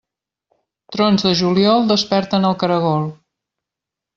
Trons de juliol desperten el caragol.